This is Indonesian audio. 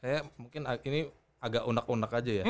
saya mungkin ini agak unak unak aja ya